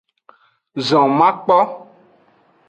Zon makpo.